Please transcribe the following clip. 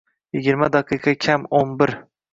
Yigirma daqiqa kam o'n bir.